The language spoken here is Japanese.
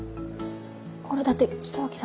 ほらだって北脇さん